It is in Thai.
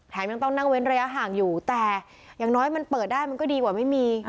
ยังต้องนั่งเว้นระยะห่างอยู่แต่อย่างน้อยมันเปิดได้มันก็ดีกว่าไม่มี